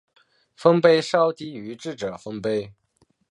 丰碑稍低于智者丰碑。